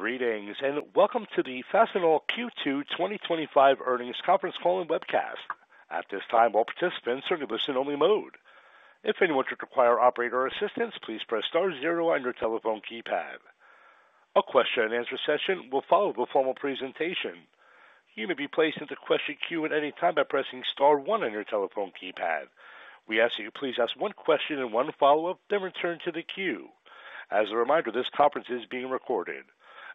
Greetings and welcome to the Fastenal Q2 2025 earnings conference call and webcast. At this time, all participants are in listen-only mode. If anyone should require operator assistance, please press star zero on your telephone keypad. A question-and-answer session will follow the formal presentation. You may be placed into question queue at any time by pressing star one on your telephone keypad. We ask that you please ask one question and one follow-up, then return to the queue. As a reminder, this conference is being recorded.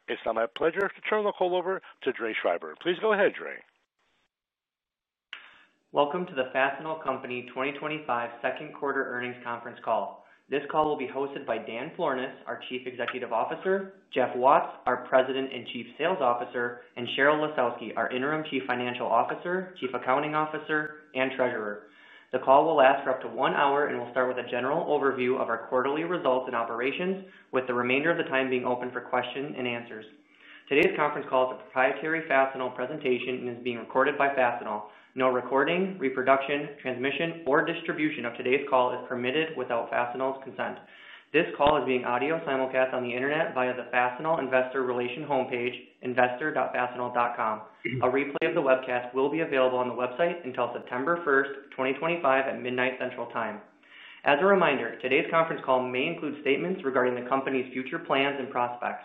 It's now my pleasure to turn the call over to Dre Schreiber. Please go ahead, Dre. Welcome to the Fastenal Company 2025 second quarter earnings conference call. This call will be hosted by Dan Florness, our Chief Executive Officer, Jeff Watts, our President and Chief Sales Officer, and Sheryl Lisowski, our Interim Chief Financial Officer, Chief Accounting Officer, and Treasurer. The call will last for up to one hour and will start with a general overview of our quarterly results and operations, with the remainder of the time being open for questions and answers. Today's conference call is a proprietary Fastenal presentation and is being recorded by Fastenal. No recording, reproduction, transmission, or distribution of today's call is permitted without Fastenal's consent. This call is being audio simulcast on the Internet via the Fastenal Investor Relations homepage, investor.fastenal.com. A replay of the webcast will be available on the website until September 1st, 2025, at midnight Central Time. As a reminder, today's conference call may include statements regarding the company's future plans and prospects.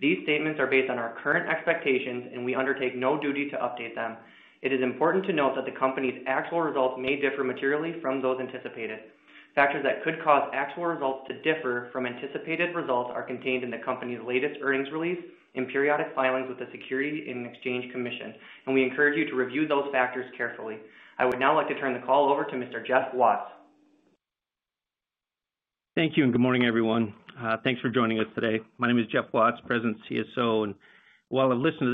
These statements are based on our current expectations, and we undertake no duty to update them. It is important to note that the company's actual results may differ materially from those anticipated. Factors that could cause actual results to differ from anticipated results are contained in the company's latest earnings release and periodic filings with the Securities and Exchange Commission, and we encourage you to review those factors carefully. I would now like to turn the call over to Mr. Jeff Watts. Thank you and good morning, everyone. Thanks for joining us today. My name is Jeff Watts, President and CSO, and while I've listened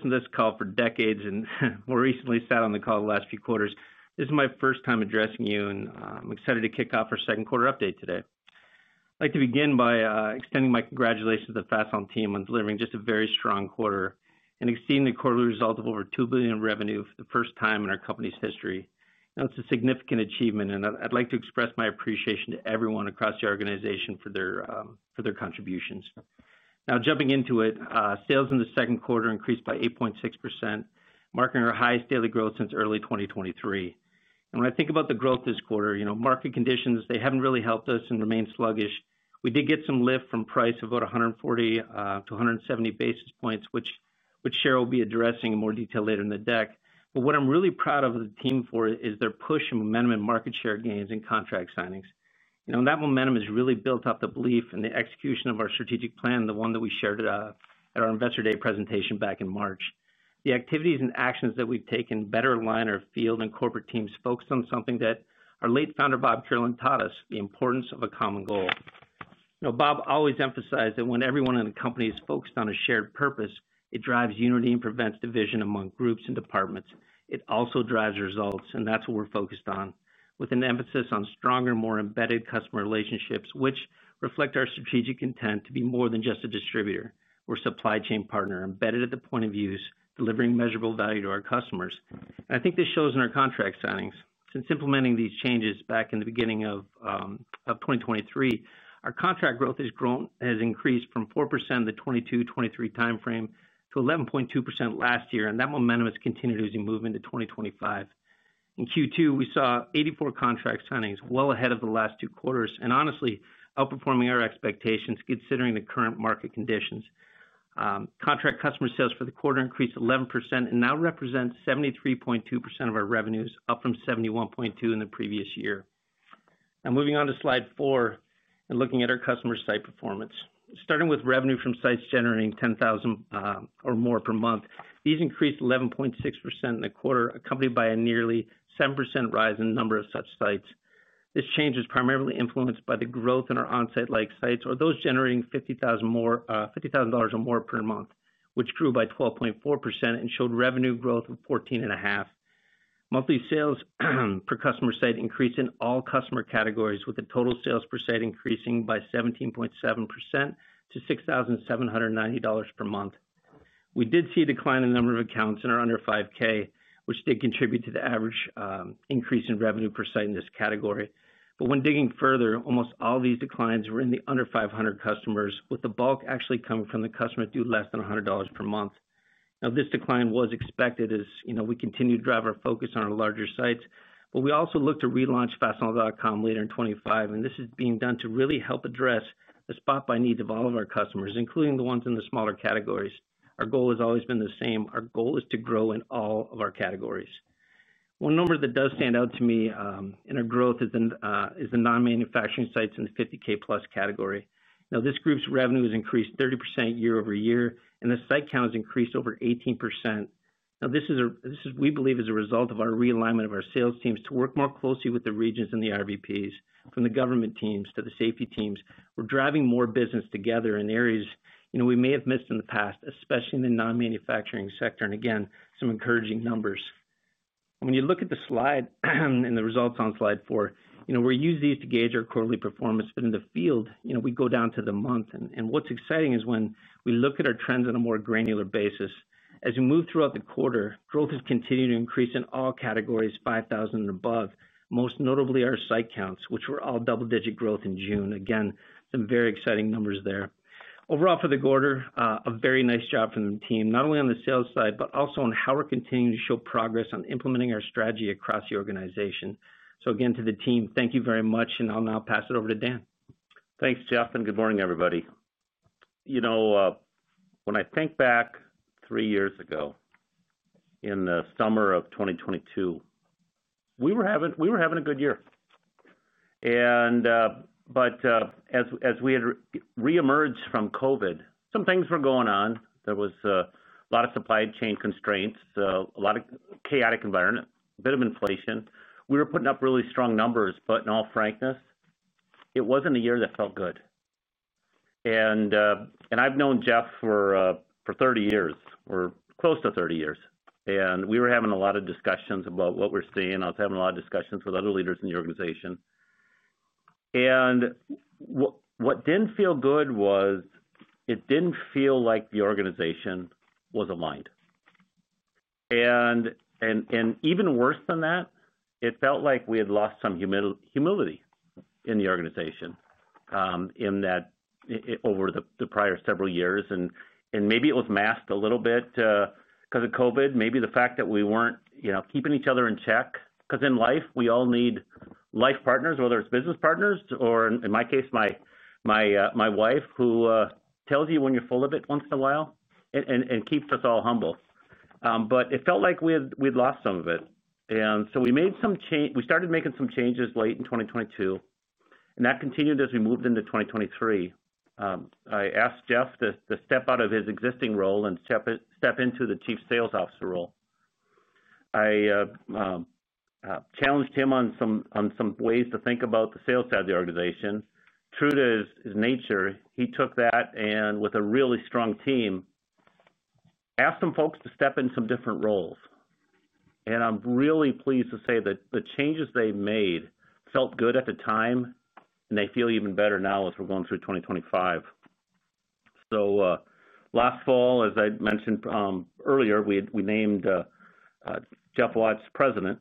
to this call for decades and more recently sat on the call the last few quarters, this is my first time addressing you, and I'm excited to kick off our second quarter update today. I'd like to begin by extending my congratulations to the Fastenal team on delivering just a very strong quarter and exceeding the quarterly result of over $2 billion in revenue for the first time in our company's history. That's a significant achievement, and I'd like to express my appreciation to everyone across the organization for their contributions. Now, jumping into it, sales in the second quarter increased by 8.6%, marking our highest daily growth since early 2023. When I think about the growth this quarter, you know, market conditions, they haven't really helped us and remained sluggish. We did get some lift from price of about 140-170 basis points, which Sheryl will be addressing in more detail later in the deck. What I'm really proud of the team for is their push and momentum in market share gains and contract signings. You know, that momentum has really built up the belief and the execution of our strategic plan, the one that we shared at our Investor Day presentation back in March. The activities and actions that we've taken better align our field and corporate team's focus on something that our late founder, Bob Kierlin, taught us: the importance of a common goal. You know, Bob always emphasized that when everyone in the company is focused on a shared purpose, it drives unity and prevents division among groups and departments. It also drives results, and that's what we're focused on, with an emphasis on stronger, more embedded customer relationships, which reflect our strategic intent to be more than just a distributor. We're a supply chain partner embedded at the point of use, delivering measurable value to our customers. I think this shows in our contract signings. Since implementing these changes back in the beginning of 2023, our contract growth has increased from 4% in the 2022-2023 timeframe to 11.2% last year, and that momentum has continued as we move into 2025. In Q2, we saw 84 contract signings, well ahead of the last two quarters, and honestly, outperforming our expectations considering the current market conditions. Contract customer sales for the quarter increased 11% and now represent 73.2% of our revenues, up from 71.2% in the previous year. Now, moving on to slide four and looking at our customer site performance. Starting with revenue from sites generating $10,000 or more per month, these increased 11.6% in the quarter, accompanied by a nearly 7% rise in the number of such sites. This change was primarily influenced by the growth in our onsite-like sites, or those generating $50,000 or more per month, which grew by 12.4% and showed revenue growth of 14.5%. Monthly sales per customer site increased in all customer categories, with the total sales per site increasing by 17.7% to $6,790 per month. We did see a decline in the number of accounts in our under $5,000, which did contribute to the average increase in revenue per site in this category. When digging further, almost all of these declines were in the under 500 customers, with the bulk actually coming from the customer due less than $100 per month. Now, this decline was expected as, you know, we continue to drive our focus on our larger sites, but we also look to relaunch fastenal.com later in 2025, and this is being done to really help address the spot-buy needs of all of our customers, including the ones in the smaller categories. Our goal has always been the same. Our goal is to grow in all of our categories. One number that does stand out to me in our growth is the non-manufacturing sites in the $50,000 plus category. Now, this group's revenue has increased 30% year-over-year, and the site count has increased over 18%. Now, this is, we believe, as a result of our realignment of our sales teams to work more closely with the regions and the RVPs, from the government teams to the safety teams. We're driving more business together in areas, you know, we may have missed in the past, especially in the non-manufacturing sector. Again, some encouraging numbers. When you look at the slide and the results on slide four, you know, we use these to gauge our quarterly performance, but in the field, you know, we go down to the month. What's exciting is when we look at our trends on a more granular basis. As we move throughout the quarter, growth has continued to increase in all categories 5,000 and above, most notably our site counts, which were all double-digit growth in June. Again, some very exciting numbers there. Overall, for the quarter, a very nice job from the team, not only on the sales side, but also on how we're continuing to show progress on implementing our strategy across the organization. Again, to the team, thank you very much, and I'll now pass it over to Dan. Thanks, Jeff, and good morning, everybody. You know, when I think back, three years ago, in the summer of 2022, we were having a good year. As we had re-emerged from COVID, some things were going on. There was a lot of supply chain constraints, a lot of chaotic environment, a bit of inflation. We were putting up really strong numbers, but in all frankness, it was not a year that felt good. I have known Jeff for 30 years, or close to 30 years, and we were having a lot of discussions about what we are seeing. I was having a lot of discussions with other leaders in the organization. What did not feel good was, it did not feel like the organization was aligned. Even worse than that, it felt like we had lost some humility in the organization. In that, over the prior several years. Maybe it was masked a little bit because of COVID, maybe the fact that we were not, you know, keeping each other in check, because in life, we all need life partners, whether it is business partners or, in my case, my wife, who tells you when you are full of it once in a while and keeps us all humble. It felt like we had lost some of it. We made some change. We started making some changes late in 2022, and that continued as we moved into 2023. I asked Jeff to step out of his existing role and step into the Chief Sales Officer role. I challenged him on some ways to think about the sales side of the organization. True to his nature, he took that and, with a really strong team, asked some folks to step in some different roles. I'm really pleased to say that the changes they made felt good at the time, and they feel even better now as we're going through 2025. Last fall, as I mentioned earlier, we named Jeff Watts President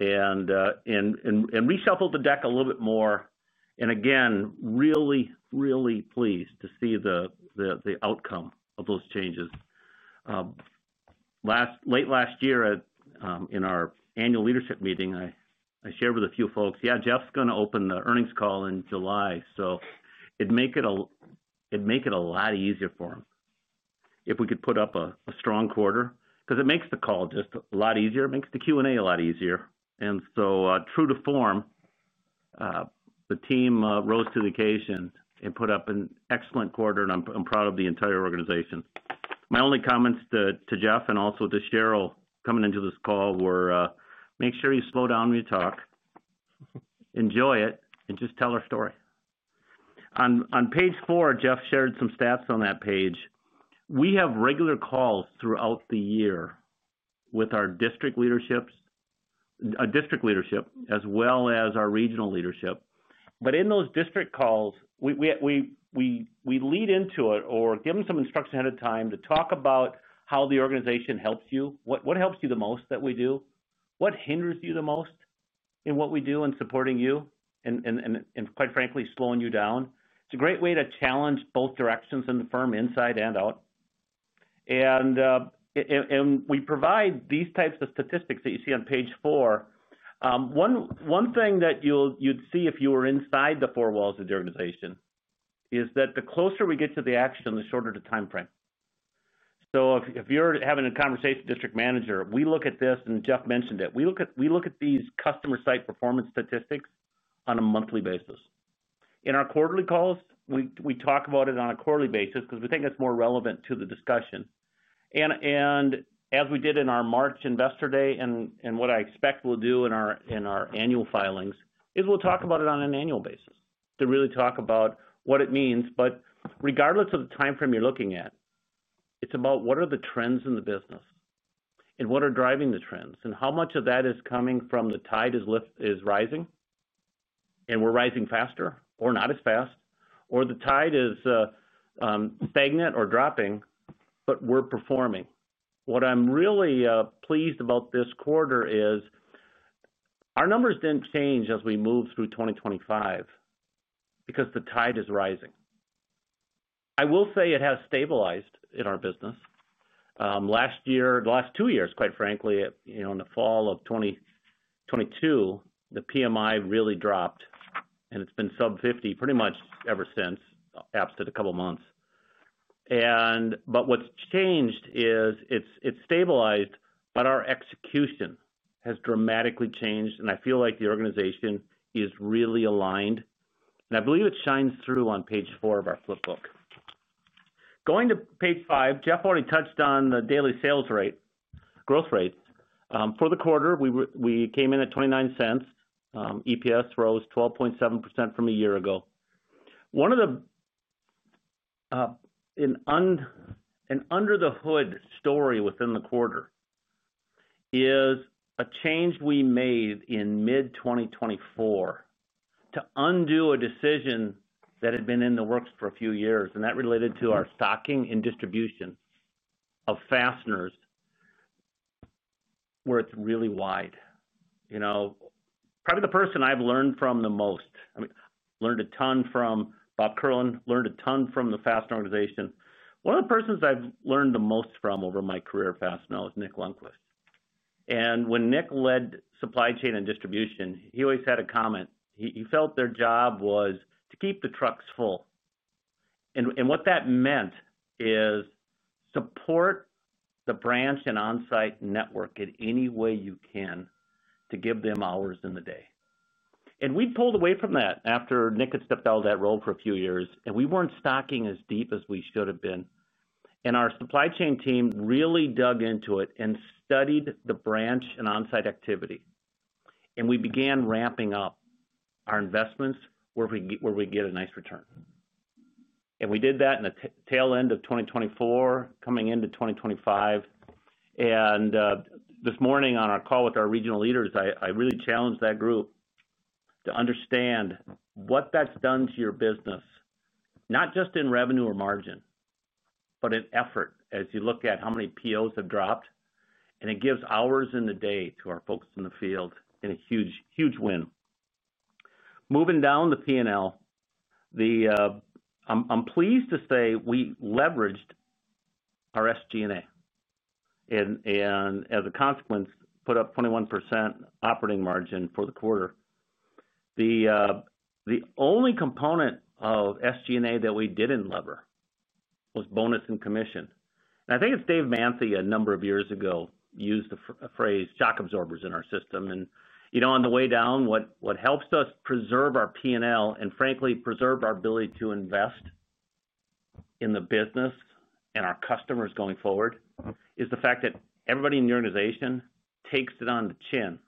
and reshuffled the deck a little bit more. Again, really, really pleased to see the outcome of those changes. Late last year, in our annual leadership meeting, I shared with a few folks, yeah, Jeff's going to open the earnings call in July, so it'd make it a lot easier for him if we could put up a strong quarter, because it makes the call just a lot easier. It makes the Q&A a lot easier. True to form, the team rose to the occasion and put up an excellent quarter, and I'm proud of the entire organization. My only comments to Jeff and also to Sheryl coming into this call were, make sure you slow down when you talk. Enjoy it, and just tell our story. On page four, Jeff shared some stats on that page. We have regular calls throughout the year with our district leadership, as well as our regional leadership. In those district calls, we lead into it or give them some instruction ahead of time to talk about how the organization helps you, what helps you the most that we do, what hinders you the most in what we do in supporting you and, quite frankly, slowing you down. It is a great way to challenge both directions in the firm, inside and out. We provide these types of statistics that you see on page four. One thing that you'd see if you were inside the four walls of the organization is that the closer we get to the action, the shorter the timeframe. If you're having a conversation with a district manager, we look at this, and Jeff mentioned it. We look at these customer site performance statistics on a monthly basis. In our quarterly calls, we talk about it on a quarterly basis because we think it's more relevant to the discussion. As we did in our March Investor Day and what I expect we'll do in our annual filings, is we'll talk about it on an annual basis to really talk about what it means. Regardless of the timeframe you're looking at, it's about what are the trends in the business. What are driving the trends, and how much of that is coming from the tide is rising. We're rising faster or not as fast, or the tide is stagnant or dropping, but we're performing. What I'm really pleased about this quarter is our numbers didn't change as we moved through 2025 because the tide is rising. I will say it has stabilized in our business. Last year, the last two years, quite frankly, you know, in the fall of 2022, the PMI really dropped, and it's been sub 50 pretty much ever since, except a couple of months. What's changed is it's stabilized, but our execution has dramatically changed, and I feel like the organization is really aligned. I believe it shines through on page four of our flipbook. Going to page five, Jeff already touched on the daily sales rate growth rate. For the quarter, we came in at $0.29. EPS rose 12.7% from a year ago. One of the. Under-the-hood stories within the quarter. It is a change we made in mid-2024 to undo a decision that had been in the works for a few years, and that related to our stocking and distribution of fasteners. Where it is really wide. You know, probably the person I have learned from the most. I mean, learned a ton from Bob Kierlin, learned a ton from the Fastenal organization. One of the persons I have learned the most from over my career at Fastenal is Nick Lundquist. And when Nick led supply chain and distribution, he always had a comment. He felt their job was to keep the trucks full. And what that meant is support the branch and onsite network in any way you can to give them hours in the day. We pulled away from that after Nick had stepped out of that role for a few years, and we were not stocking as deep as we should have been. Our supply chain team really dug into it and studied the branch and onsite activity. We began ramping up our investments where we get a nice return. We did that in the tail end of 2024, coming into 2025. This morning on our call with our regional leaders, I really challenged that group to understand what that has done to your business. Not just in revenue or margin, but in effort. As you look at how many POs have dropped, it gives hours in the day to our folks in the field, and a huge, huge win. Moving down the P&L, I am pleased to say we leveraged our SG&A. As a consequence, put up 21% operating margin for the quarter. The only component of SG&A that we did not lever was bonus and commission. I think it is Dave Manthey, a number of years ago, used the phrase shock absorbers in our system. You know, on the way down, what helps us preserve our P&L and, frankly, preserve our ability to invest in the business and our customers going forward is the fact that everybody in the organization takes it on the chin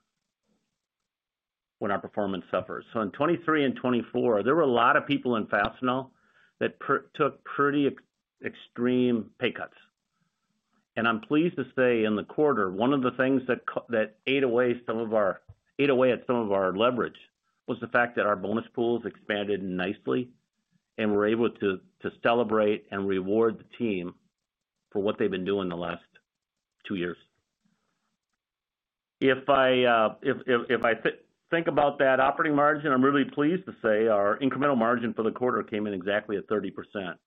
when our performance suffers. In 2023 and 2024, there were a lot of people in Fastenal that took pretty extreme pay cuts. I'm pleased to say in the quarter, one of the things that ate away at some of our leverage was the fact that our bonus pools expanded nicely, and we were able to celebrate and reward the team for what they've been doing the last two years. If I think about that operating margin, I'm really pleased to say our incremental margin for the quarter came in exactly at 30%.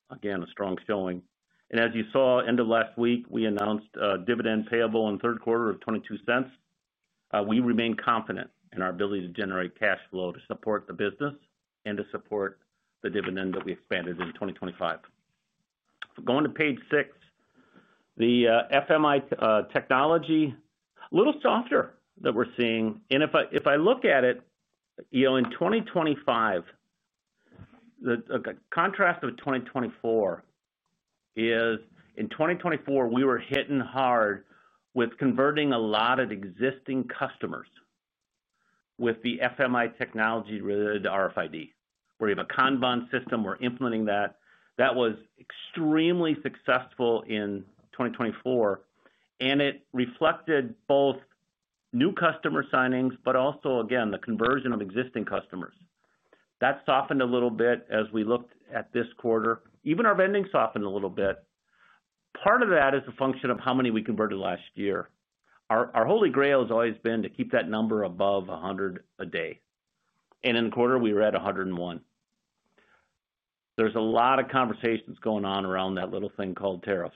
Again, a strong showing. As you saw, end of last week, we announced dividend payable in the third quarter of $0.22. We remain confident in our ability to generate cash flow to support the business and to support the dividend that we expanded in 2025. Going to page six, the FMI technology, a little softer that we're seeing. If I look at it, you know, in 2025, the contrast of 2024. Is in 2024, we were hitting hard with converting a lot of existing customers. With the FMI technology related to RFID, where you have a Kanban system, we're implementing that. That was extremely successful in 2024. It reflected both new customer signings, but also, again, the conversion of existing customers. That softened a little bit as we looked at this quarter. Even our vending softened a little bit. Part of that is a function of how many we converted last year. Our holy grail has always been to keep that number above 100 a day. In the quarter, we were at 101. There's a lot of conversations going on around that little thing called tariffs.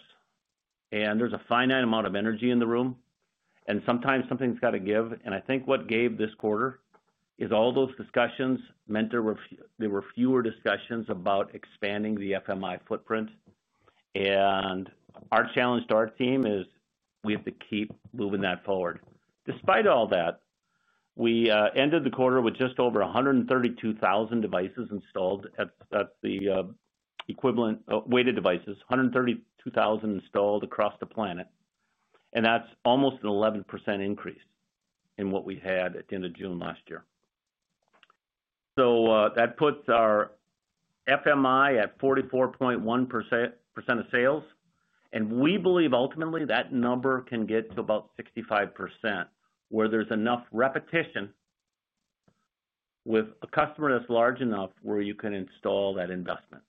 There's a finite amount of energy in the room, and sometimes something's got to give. I think what gave this quarter is all those discussions meant there were fewer discussions about expanding the FMI footprint. Our challenge to our team is we have to keep moving that forward. Despite all that, we ended the quarter with just over 132,000 devices installed at the equivalent weighted devices, 132,000 installed across the planet. That's almost an 11% increase in what we had at the end of June last year. That puts our FMI at 44.1% of sales. We believe ultimately that number can get to about 65%, where there's enough repetition with a customer that's large enough where you can install that investment.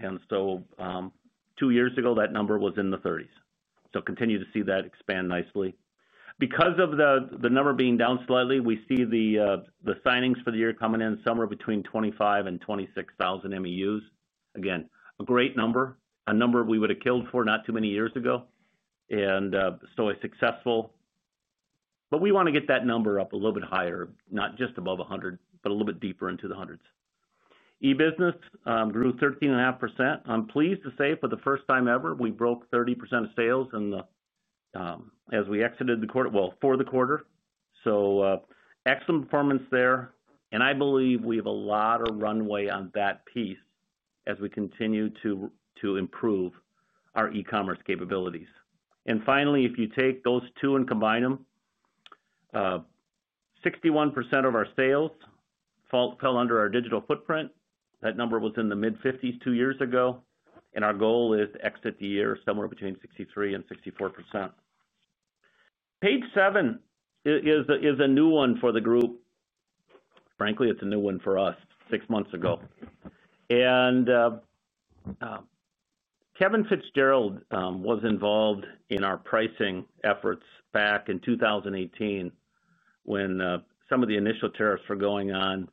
Two years ago, that number was in the 30s. Continue to see that expand nicely. Because of the number being down slightly, we see the signings for the year coming in somewhere between 25,000 and 26,000 MEUs. Again, a great number, a number we would have killed for not too many years ago. So successful. We want to get that number up a little bit higher, not just above 100, but a little bit deeper into the hundreds. E-business grew 13.5%. I'm pleased to say for the first time ever, we broke 30% of sales in the, as we exited the quarter, for the quarter. Excellent performance there. I believe we have a lot of runway on that piece as we continue to improve our e-commerce capabilities. Finally, if you take those two and combine them, 61% of our sales fell under our digital footprint. That number was in the mid-50s two years ago. Our goal is to exit the year somewhere between 63% and 64%. Page seven is a new one for the group. Frankly, it's a new one for us. Six months ago. Kevin Fitzgerald was involved in our pricing efforts back in 2018 when some of the initial tariffs were going on.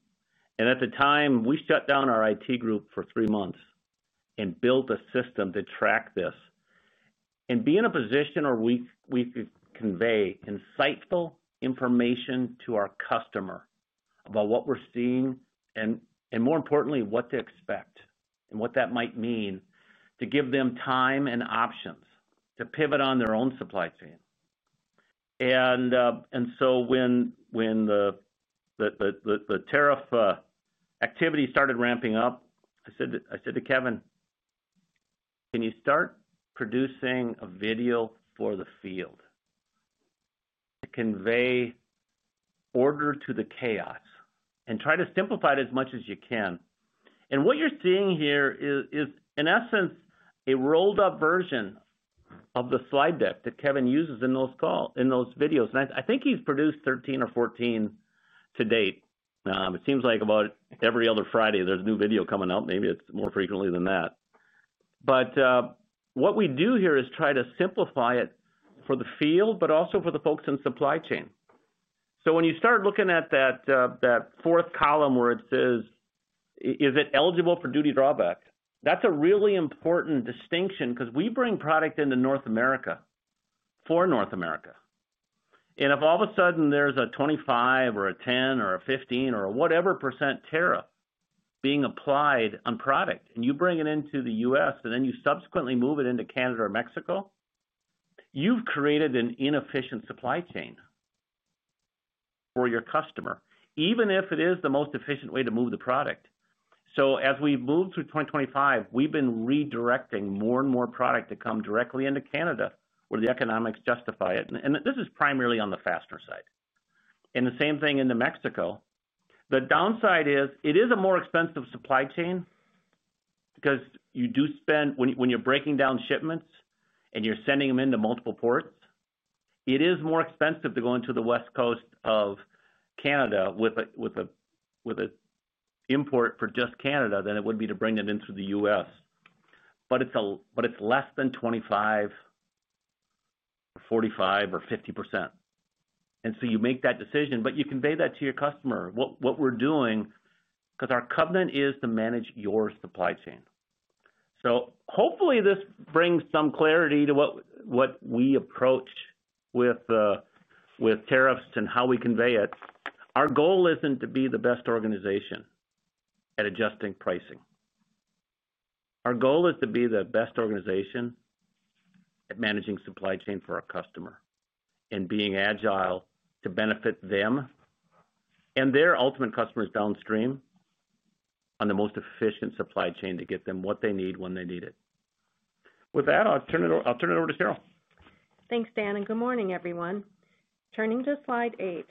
At the time, we shut down our IT group for three months and built a system to track this and be in a position where we could convey insightful information to our customer about what we're seeing and, more importantly, what to expect and what that might mean to give them time and options to pivot on their own supply chain. When the tariff activity started ramping up, I said to Kevin, "Can you start producing a video for the field to convey. Order to the chaos and try to simplify it as much as you can." What you are seeing here is, in essence, a rolled-up version of the slide deck that Kevin uses in those videos. I think he has produced 13 or 14 to date. It seems like about every other Friday, there is a new video coming out. Maybe it is more frequently than that. What we do here is try to simplify it for the field, but also for the folks in supply chain. When you start looking at that fourth column where it says, "Is it eligible for duty drawback?" that is a really important distinction because we bring product into North America for North America. If all of a sudden there's a 25% or a 10% or a 15% or a whatever percent tariff being applied on product and you bring it into the U.S. and then you subsequently move it into Canada or Mexico, you've created an inefficient supply chain for your customer, even if it is the most efficient way to move the product. As we move through 2025, we've been redirecting more and more product to come directly into Canada where the economics justify it. This is primarily on the fastener side. The same thing into Mexico. The downside is it is a more expensive supply chain because you do spend, when you're breaking down shipments and you're sending them into multiple ports, it is more expensive to go into the West Coast of Canada with. An import for just Canada than it would be to bring it into the U.S. But it's less than 25%. 45, or 50%. And so you make that decision, but you convey that to your customer. What we're doing, because our covenant is to manage your supply chain. So hopefully this brings some clarity to what we approach with. Tariffs and how we convey it. Our goal isn't to be the best organization at adjusting pricing. Our goal is to be the best organization. At managing supply chain for our customer and being agile to benefit them. And their ultimate customers downstream. On the most efficient supply chain to get them what they need when they need it. With that, I'll turn it over to Sheryl. Thanks, Dan. And good morning, everyone. Turning to slide eight.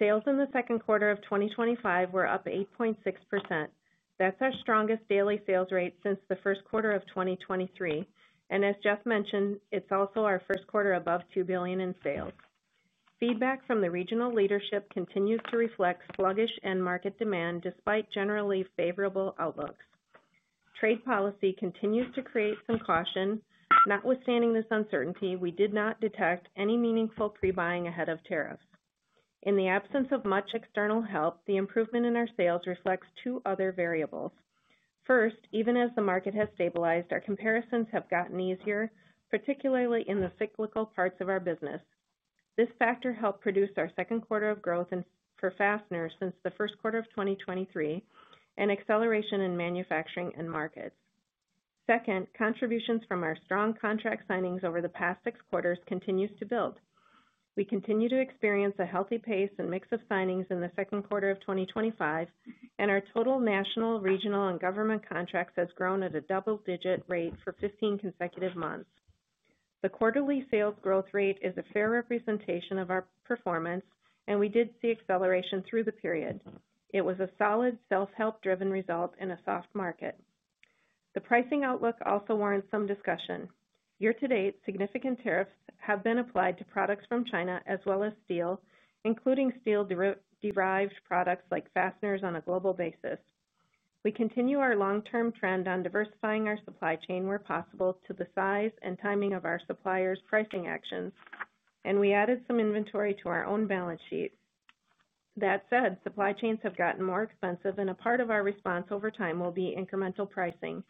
Sales in the second quarter of 2025 were up 8.6%. That's our strongest daily sales rate since the first quarter of 2023. As Jeff mentioned, it's also our first quarter above $2 billion in sales. Feedback from the regional leadership continues to reflect sluggish end market demand despite generally favorable outlooks. Trade policy continues to create some caution. Notwithstanding this uncertainty, we did not detect any meaningful pre-buying ahead of tariffs. In the absence of much external help, the improvement in our sales reflects two other variables. First, even as the market has stabilized, our comparisons have gotten easier, particularly in the cyclical parts of our business. This factor helped produce our second quarter of growth for fasteners since the first quarter of 2023 and acceleration in manufacturing end markets. Second, contributions from our strong contract signings over the past six quarters continue to build. We continue to experience a healthy pace and mix of signings in the second quarter of 2025, and our total national, regional, and government contracts have grown at a double-digit rate for 15 consecutive months. The quarterly sales growth rate is a fair representation of our performance, and we did see acceleration through the period. It was a solid self-help-driven result in a soft market. The pricing outlook also warrants some discussion. Year to date, significant tariffs have been applied to products from China as well as steel, including steel-derived products like fasteners on a global basis. We continue our long-term trend on diversifying our supply chain where possible to the size and timing of our suppliers' pricing actions, and we added some inventory to our own balance sheet. That said, supply chains have gotten more expensive, and a part of our response over time will be incremental pricing.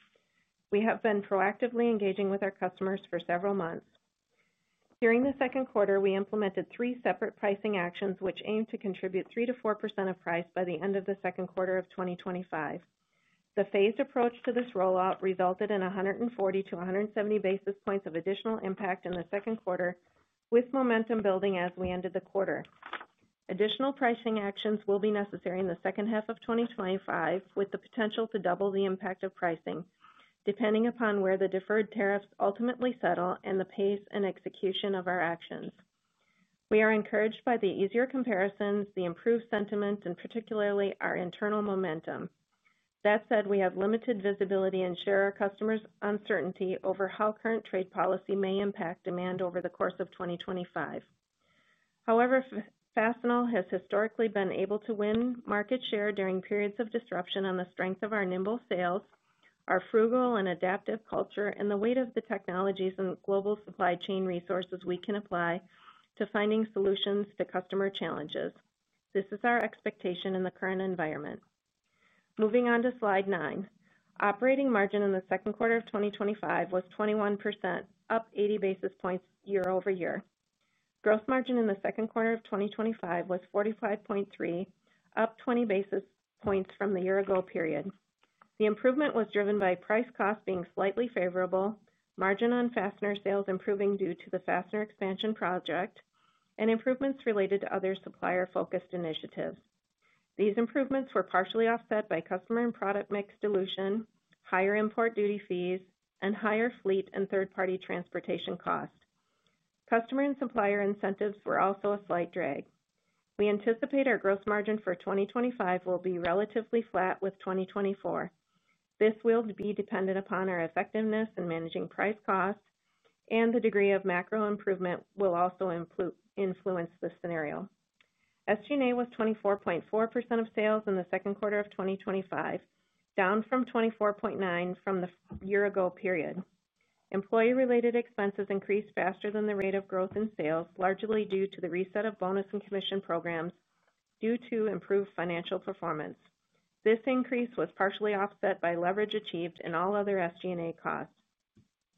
We have been proactively engaging with our customers for several months. During the second quarter, we implemented three separate pricing actions which aimed to contribute 3%-4% of price by the end of the second quarter of 2025. The phased approach to this rollout resulted in 140-170 basis points of additional impact in the second quarter, with momentum building as we ended the quarter. Additional pricing actions will be necessary in the second half of 2025, with the potential to double the impact of pricing, depending upon where the deferred tariffs ultimately settle and the pace and execution of our actions. We are encouraged by the easier comparisons, the improved sentiment, and particularly our internal momentum. That said, we have limited visibility and share our customers' uncertainty over how current trade policy may impact demand over the course of 2025. However, Fastenal has historically been able to win market share during periods of disruption on the strength of our nimble sales, our frugal and adaptive culture, and the weight of the technologies and global supply chain resources we can apply to finding solutions to customer challenges. This is our expectation in the current environment. Moving on to slide nine. Operating margin in the second quarter of 2025 was 21%, up 80 basis points year-over-year. Gross margin in the second quarter of 2025 was 45.3%, up 20 basis points from the year-ago period. The improvement was driven by price cost being slightly favorable, margin on fastener sales improving due to the fastener expansion project, and improvements related to other supplier-focused initiatives. These improvements were partially offset by customer and product mix dilution, higher import duty fees, and higher fleet and third-party transportation cost. Customer and supplier incentives were also a slight drag. We anticipate our gross margin for 2025 will be relatively flat with 2024. This will be dependent upon our effectiveness in managing price cost, and the degree of macro improvement will also influence the scenario. SG&A was 24.4% of sales in the second quarter of 2025, down from 24.9% from the year-ago period. Employee-related expenses increased faster than the rate of growth in sales, largely due to the reset of bonus and commission programs due to improved financial performance. This increase was partially offset by leverage achieved in all other SG&A costs.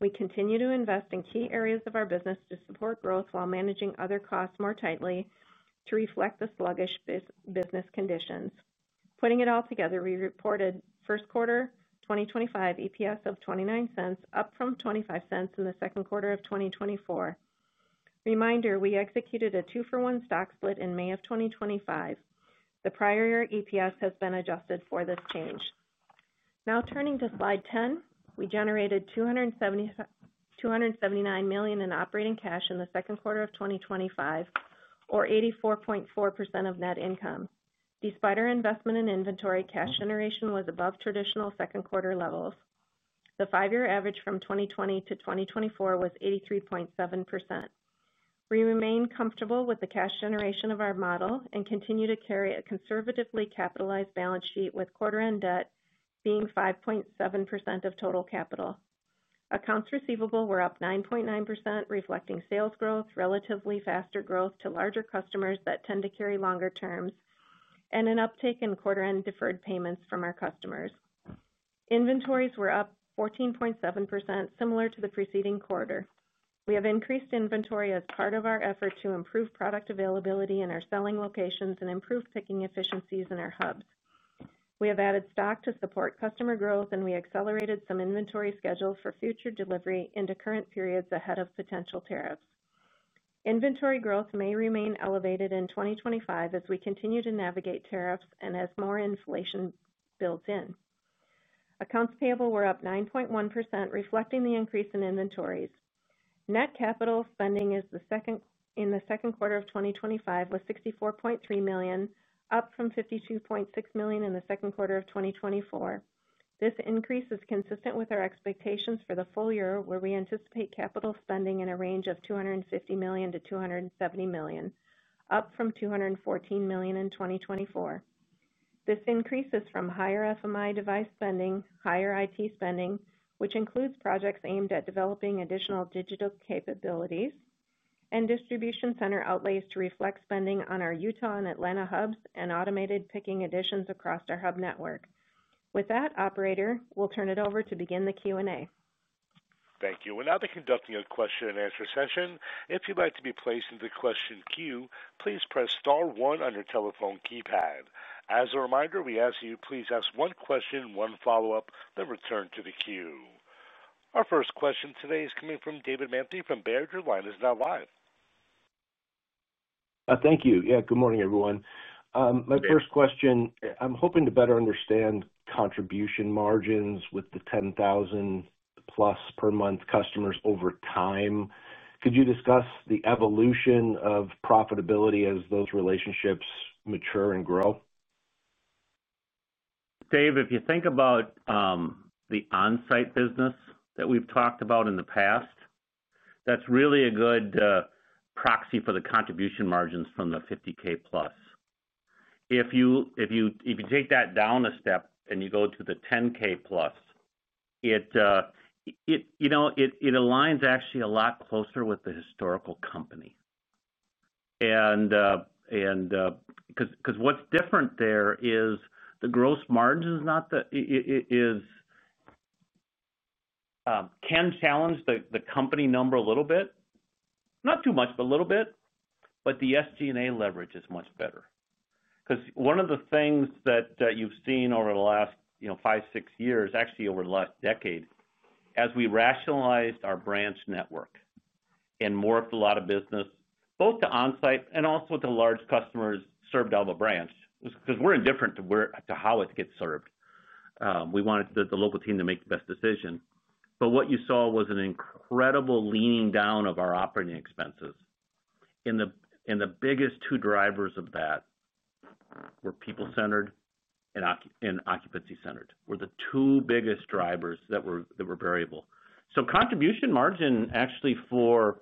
We continue to invest in key areas of our business to support growth while managing other costs more tightly to reflect the sluggish business conditions. Putting it all together, we reported first quarter 2025 EPS of $0.29, up from $0.25 in the second quarter of 2024. Reminder, we executed a two-for-one stock split in May of 2025. The prior year EPS has been adjusted for this change. Now turning to slide 10, we generated $279 million in operating cash in the second quarter of 2025, or 84.4% of net income. Despite our investment in inventory, cash generation was above traditional second quarter levels. The five-year average from 2020 to 2024 was 83.7%. We remain comfortable with the cash generation of our model and continue to carry a conservatively capitalized balance sheet with quarter-end debt being 5.7% of total capital. Accounts receivable were up 9.9%, reflecting sales growth, relatively faster growth to larger customers that tend to carry longer terms, and an uptick in quarter-end deferred payments from our customers. Inventories were up 14.7%, similar to the preceding quarter. We have increased inventory as part of our effort to improve product availability in our selling locations and improve picking efficiencies in our hubs. We have added stock to support customer growth, and we accelerated some inventory schedules for future delivery into current periods ahead of potential tariffs. Inventory growth may remain elevated in 2025 as we continue to navigate tariffs and as more inflation builds in. Accounts payable were up 9.1%, reflecting the increase in inventories. Net capital spending in the second quarter of 2025 was $64.3 million, up from $52.6 million in the second quarter of 2024. This increase is consistent with our expectations for the full year, where we anticipate capital spending in a range of $250 million-$270 million, up from $214 million in 2024. This increase is from higher FMI device spending, higher IT spending, which includes projects aimed at developing additional digital capabilities and distribution center outlays to reflect spending on our Utah and Atlanta hubs and automated picking additions across our hub network. With that, Operator, we will turn it over to begin the Q&A. Thank you. Now the conducting of question and answer session. If you would like to be placed in the question queue, please press star one on your telephone keypad. As a reminder, we ask you to please ask one question, one follow-up, then return to the queue. Our first question today is coming from David Manthey from Baird. Your line is now live. Thank you. Yeah, good morning, everyone. My first question, I am hoping to better understand contribution margins with the 10,000-plus per month customers over time. Could you discuss the evolution of profitability as those relationships mature and grow? Dave, if you think about the Onsite business that we've talked about in the past, that's really a good proxy for the contribution margins from the 50K plus. If you take that down a step and you go to the 10K plus, it aligns actually a lot closer with the historical company. Because what's different there is the gross margin is not the, can challenge the company number a little bit, not too much, but a little bit. The SG&A leverage is much better because one of the things that you've seen over the last five, six years, actually over the last decade, as we rationalized our branch network. It morphed a lot of business, both to Onsite and also to large customers served out of a branch, because we're indifferent to how it gets served. We wanted the local team to make the best decision. What you saw was an incredible leaning down of our operating expenses. The biggest two drivers of that were people-centered and occupancy-centered. Those were the two biggest drivers that were variable. Contribution margin actually for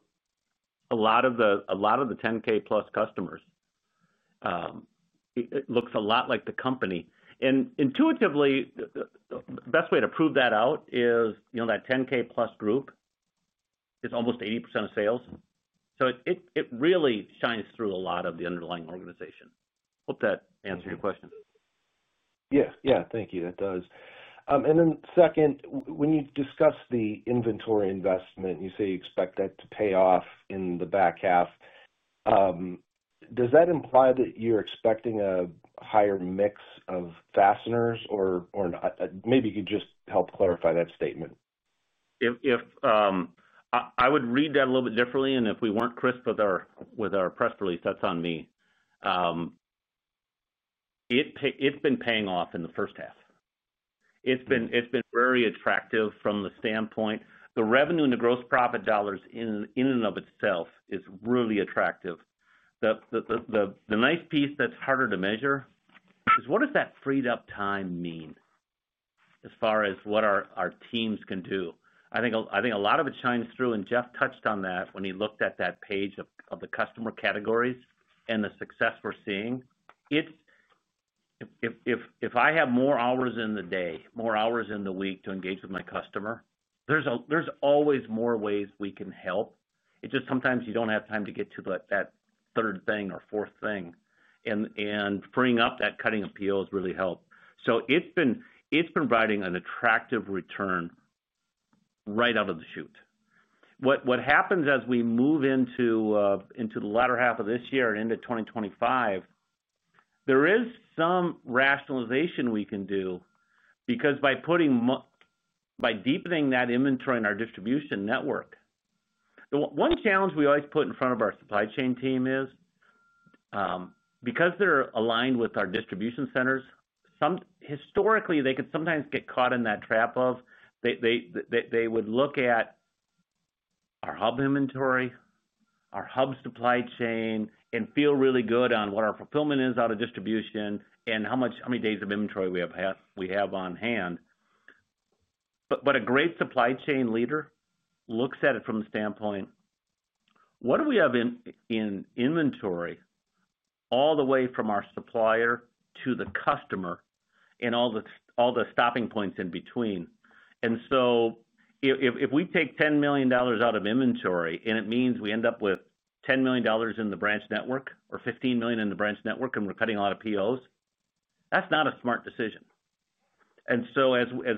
a lot of the 10K plus customers looks a lot like the company. Intuitively, the best way to prove that out is that 10K plus group is almost 80% of sales. It really shines through a lot of the underlying organization. Hope that answered your question. Yeah. Yeah. Thank you. That does. When you discuss the inventory investment, you say you expect that to pay off in the back half. Does that imply that you're expecting a higher mix of fasteners or not? Maybe you could just help clarify that statement. I would read that a little bit differently. If we were not crisp with our press release, that's on me. It's been paying off in the first half. It's been very attractive from the standpoint. The revenue and the gross profit dollars in and of itself is really attractive. The nice piece that's harder to measure is what does that freed-up time mean. As far as what our teams can do. I think a lot of it shines through, and Jeff touched on that when he looked at that page of the customer categories and the success we're seeing. If I have more hours in the day, more hours in the week to engage with my customer, there's always more ways we can help. It's just sometimes you don't have time to get to that third thing or fourth thing. Freeing up that cutting appeal has really helped. It's been providing an attractive return. Right out of the chute. What happens as we move into the latter half of this year and into 2025? There is some rationalization we can do because by deepening that inventory in our distribution network. One challenge we always put in front of our supply chain team is, because they're aligned with our distribution centers, historically, they could sometimes get caught in that trap of, they would look at our hub inventory, our hub supply chain, and feel really good on what our fulfillment is out of distribution and how many days of inventory we have on hand. A great supply chain leader looks at it from the standpoint, "What do we have in inventory. All the way from our supplier to the customer and all the stopping points in between? If we take $10 million out of inventory and it means we end up with $10 million in the branch network or $15 million in the branch network and we're cutting a lot of POs, that's not a smart decision. As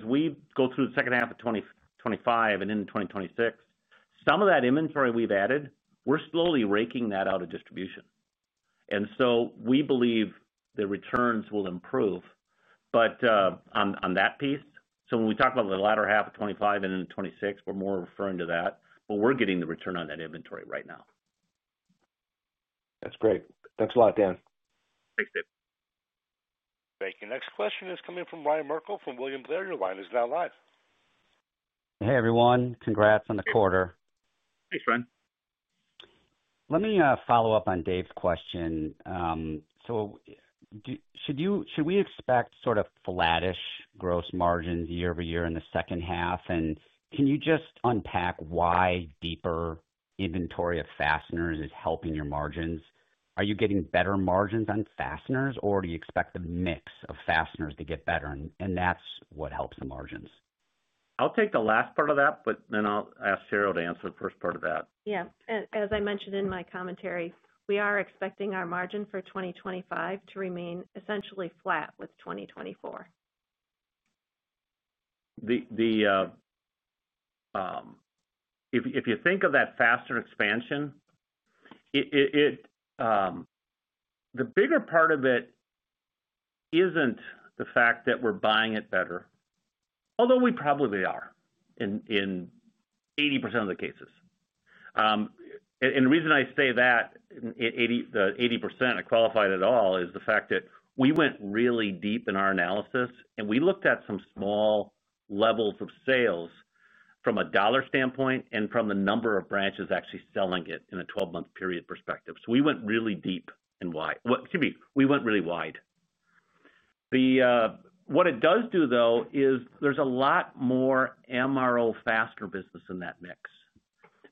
we go through the second half of 2025 and into 2026, some of that inventory we've added, we're slowly raking that out of distribution. We believe the returns will improve. On that piece, when we talk about the latter half of 2025 and into 2026, we're more referring to that. We're getting the return on that inventory right now. That's great. Thanks a lot, Dan. Thanks, Dave. Thank you. Next question is coming from Ryan Merkel from William Blair. He's now live. Hey, everyone. Congrats on the quarter. Thanks, Ryan. Let me follow up on Dave's question. Should we expect sort of flattish gross margins year over year in the second half? Can you just unpack why deeper inventory of fasteners is helping your margins? Are you getting better margins on fasteners, or do you expect the mix of fasteners to get better and that is what helps the margins? I'll take the last part of that, but then I'll ask Sheryl to answer the first part of that. Yeah. As I mentioned in my commentary, we are expecting our margin for 2025 to remain essentially flat with 2024. If you think of that fastener expansion, the bigger part of it is not the fact that we're buying it better, although we probably are in 80% of the cases. The reason I say that. The 80%, I qualify it at all, is the fact that we went really deep in our analysis, and we looked at some small levels of sales from a dollar standpoint and from the number of branches actually selling it in a 12-month period perspective. So we went really deep and wide. Excuse me. We went really wide. What it does do, though, is there's a lot more MRO fastener business in that mix.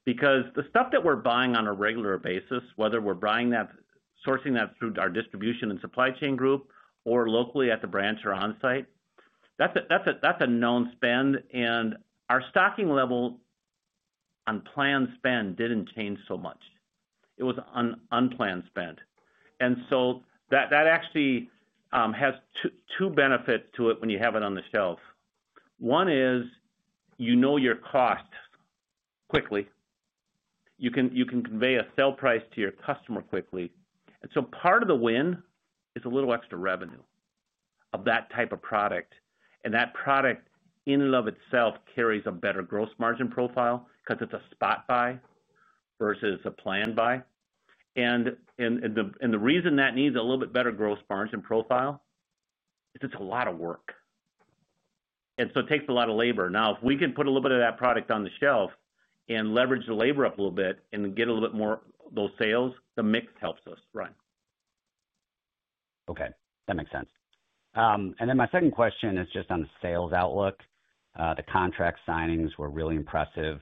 Because the stuff that we're buying on a regular basis, whether we're sourcing that through our distribution and supply chain group or locally at the branch or on-site, that's a known spend. And our stocking level on planned spend didn't change so much. It was on unplanned spend. And so that actually has two benefits to it when you have it on the shelf. One is you know your cost quickly. You can convey a sell price to your customer quickly. Part of the win is a little extra revenue of that type of product. That product, in and of itself, carries a better gross margin profile because it is a spot buy versus a planned buy. The reason that needs a little bit better gross margin profile is it is a lot of work. It takes a lot of labor. Now, if we can put a little bit of that product on the shelf and leverage the labor up a little bit and get a little bit more of those sales, the mix helps us run. Okay. That makes sense. My second question is just on the sales outlook. The contract signings were really impressive.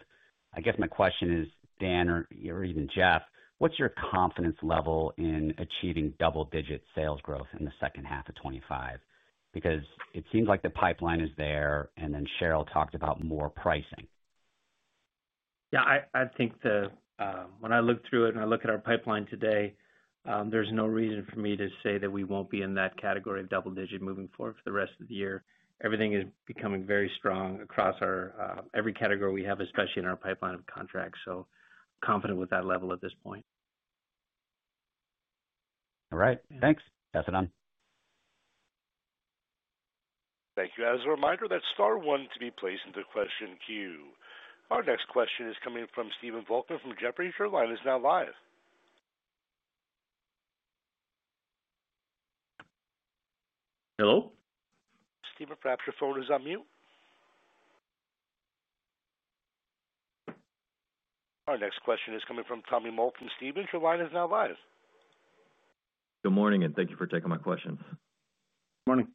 I guess my question is, Dan, or even Jeff, what's your confidence level in achieving double-digit sales growth in the second half of 2025? Because it seems like the pipeline is there, and then Sheryl talked about more pricing. Yeah. I think. When I look through it and I look at our pipeline today, there's no reason for me to say that we won't be in that category of double-digit moving forward for the rest of the year. Everything is becoming very strong across every category we have, especially in our pipeline of contracts. So confident with that level at this point. All right. Thanks. That's it, Dan. Thank you. As a reminder, that's star one to be placed into question queue. Our next question is coming from Stephen Volker from Jeffrey Joint Line. He's now live. Hello? Stephen perhaps your phone is on mute. Our next question is coming from Tommy Moll from Stephens. He's now live. Good morning, and thank you for taking my questions. Morning.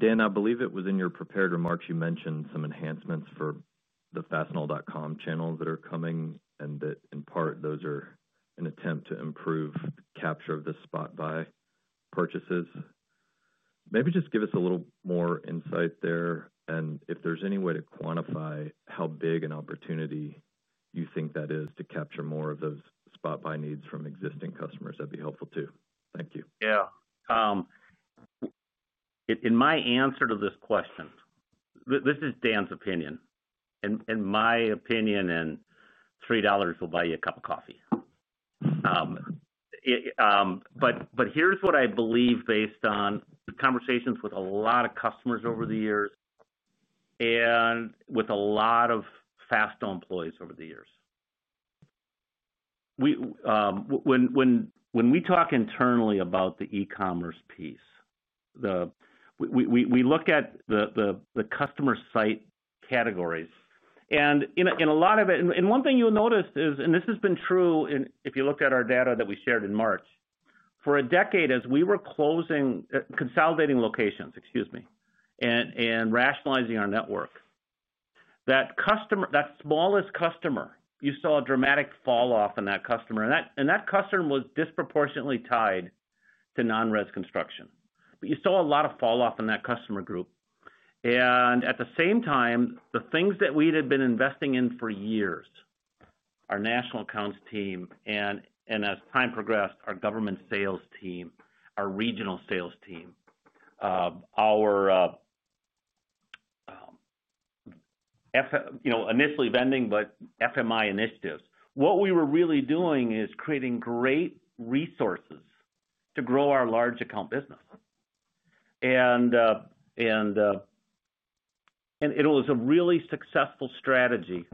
Dan, I believe it was in your prepared remarks you mentioned some enhancements for the fastenal.com channels that are coming, and that in part, those are an attempt to improve capture of the spot buy purchases. Maybe just give us a little more insight there. And if there's any way to quantify how big an opportunity you think that is to capture more of those spot buy needs from existing customers, that'd be helpful too. Thank you. Yeah. In my answer to this question, this is Dan's opinion. And my opinion and $3 will buy you a cup of coffee. But here's what I believe based on conversations with a lot of customers over the years. With a lot of Fastenal employees over the years. When we talk internally about the e-commerce piece, we look at the customer site categories. In a lot of it, and one thing you'll notice is, and this has been true if you looked at our data that we shared in March, for a decade, as we were consolidating locations, excuse me, and rationalizing our network. That smallest customer, you saw a dramatic falloff in that customer. That customer was disproportionately tied to non-res construction. You saw a lot of falloff in that customer group. At the same time, the things that we had been investing in for years, our national accounts team, and as time progressed, our government sales team, our regional sales team, our, initially vending, but FMI initiatives, what we were really doing is creating great resources to grow our large account business. It was a really successful strategy.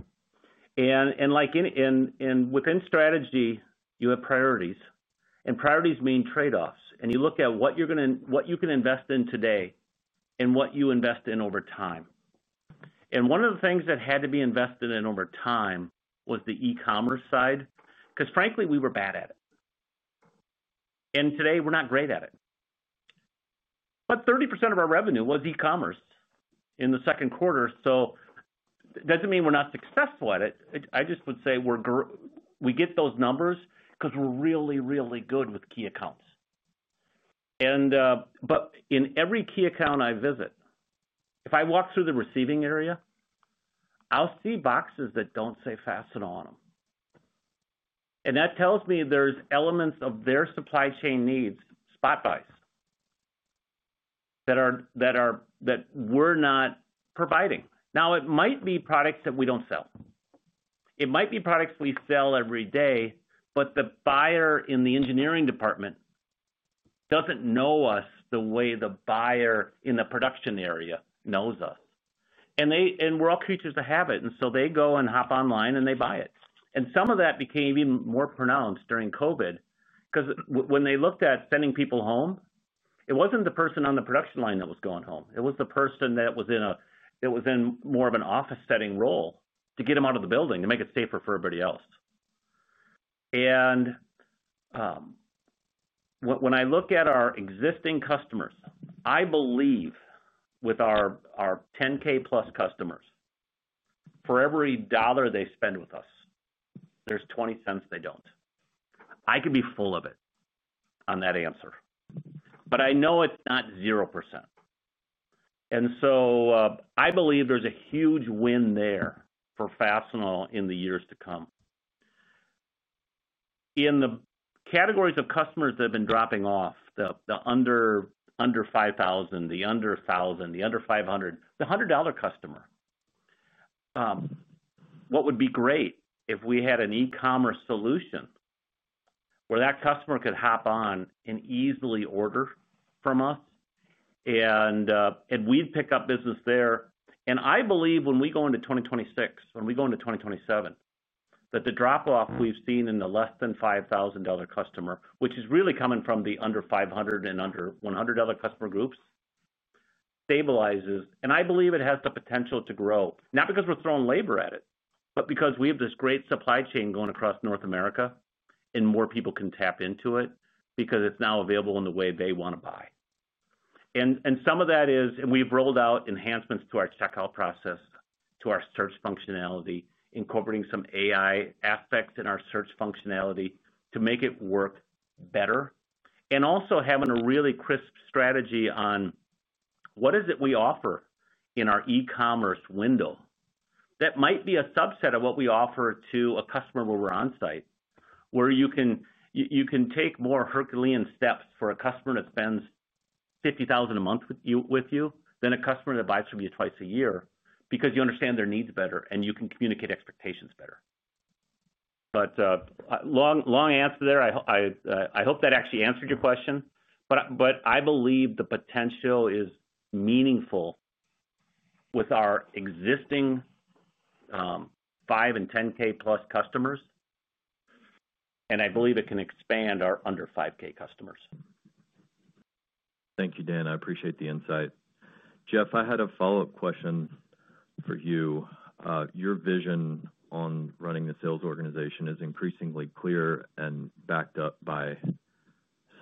Within strategy, you have priorities. Priorities mean trade-offs. You look at what you can invest in today and what you invest in over time. One of the things that had to be invested in over time was the e-commerce side. Frankly, we were bad at it. Today, we're not great at it. 30% of our revenue was e-commerce in the second quarter. It does not mean we're not successful at it. I just would say we get those numbers because we're really, really good with key accounts. In every key account I visit, if I walk through the receiving area, I will see boxes that do not say Fastenal on them. That tells me there are elements of their supply chain needs, spot buys, that we're not providing. Now, it might be products that we do not sell. It might be products we sell every day, but the buyer in the engineering department does not know us the way the buyer in the production area knows us. We are all creatures of habit. They go and hop online and they buy it. Some of that became even more pronounced during COVID because when they looked at sending people home, it was not the person on the production line that was going home. It was the person that was in more of an office-setting role to get them out of the building to make it safer for everybody else. When I look at our existing customers, I believe with our 10,000-plus customers, for every dollar they spend with us, there is $0.20 they do not. I could be full of it on that answer, but I know it is not 0%. I believe there's a huge win there for Fastenal in the years to come. In the categories of customers that have been dropping off, the under $5,000, the under $1,000, the under $500, the $100 customer. What would be great if we had an e-commerce solution where that customer could hop on and easily order from us. We'd pick up business there. I believe when we go into 2026, when we go into 2027, that the drop-off we've seen in the less-than-$5,000 customer, which is really coming from the under $500 and under $100 customer groups, stabilizes. I believe it has the potential to grow, not because we're throwing labor at it, but because we have this great supply chain going across North America and more people can tap into it because it's now available in the way they want to buy. Some of that is, we have rolled out enhancements to our checkout process, to our search functionality, incorporating some AI aspects in our search functionality to make it work better. Also, having a really crisp strategy on what it is we offer in our e-commerce window that might be a subset of what we offer to a customer where we are on-site, where you can take more Herculean steps for a customer that spends $50,000 a month with you than a customer that buys from you twice a year because you understand their needs better and you can communicate expectations better. Long answer there. I hope that actually answered your question. I believe the potential is meaningful with our existing 5 and 10K-plus customers. I believe it can expand our under 5K customers. Thank you, Dan. I appreciate the insight. Jeff, I had a follow-up question for you. Your vision on running the sales organization is increasingly clear and backed up by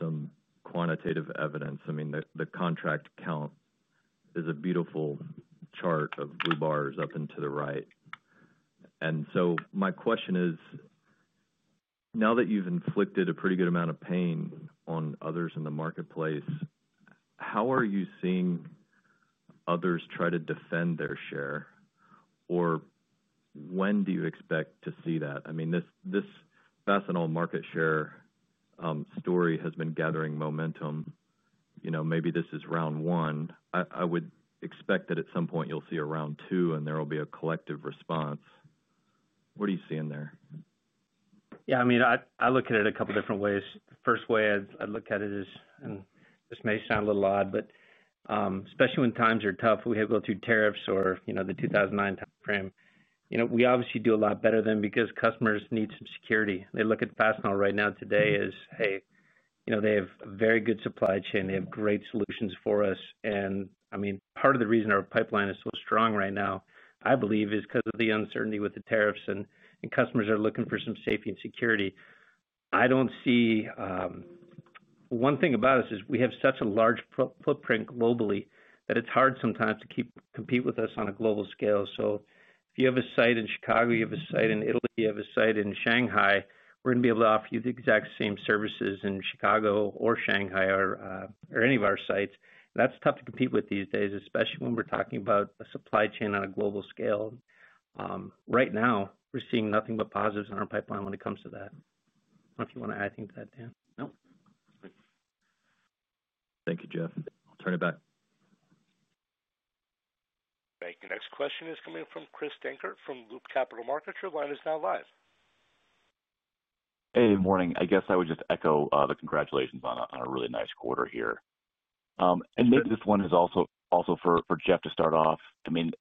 some quantitative evidence. I mean, the contract count is a beautiful chart of blue bars up and to the right. My question is, now that you've inflicted a pretty good amount of pain on others in the marketplace, how are you seeing others try to defend their share? Or when do you expect to see that? I mean, this Fastenal market share story has been gathering momentum. Maybe this is round one. I would expect that at some point you'll see a round two, and there will be a collective response. What are you seeing there? Yeah. I mean, I look at it a couple of different ways. The first way I look at it is, and this may sound a little odd, but especially when times are tough, we have to go through tariffs or the 2009 timeframe. We obviously do a lot better then because customers need some security. They look at Fastenal right now today as, "Hey, they have a very good supply chain. They have great solutions for us." I mean, part of the reason our pipeline is so strong right now, I believe, is because of the uncertainty with the tariffs, and customers are looking for some safety and security. I do not see. One thing about us is we have such a large footprint globally that it is hard sometimes to compete with us on a global scale. If you have a site in Chicago, you have a site in Italy, you have a site in Shanghai, we're going to be able to offer you the exact same services in Chicago or Shanghai or any of our sites. That's tough to compete with these days, especially when we're talking about a supply chain on a global scale. Right now, we're seeing nothing but positives on our pipeline when it comes to that. I don't know if you want to add anything to that, Dan. No. Thank you, Jeff. I'll turn it back. Thank you. Next question is coming from Chris Dankert from Loop Capital Markets. Your line is now live. Hey, good morning. I guess I would just echo the congratulations on a really nice quarter here. Maybe this one is also for Jeff to start off. I mean,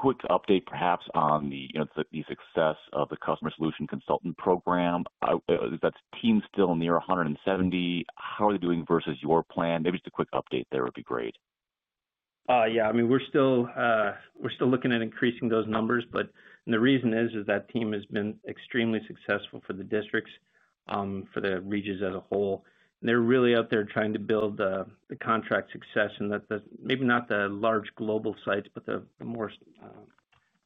quick update perhaps on the. Success of the Customer Solution Consultant program. That team is still near 170. How are they doing versus your plan? Maybe just a quick update there would be great. Yeah. I mean, we're still looking at increasing those numbers. The reason is that team has been extremely successful for the districts, for the regions as a whole. They're really out there trying to build the contract success, and maybe not the large global sites, but the more